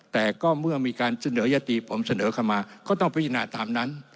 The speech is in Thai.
แต่ก็เมื่อมีการเสนอยติผมเสนอเข้ามาก็ต้องพิจารณาตามนั้น